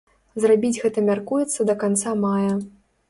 Зрабіць гэта мяркуецца да канца мая.